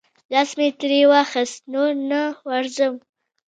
لاس مې ترې واخیست، نور نه ورځم.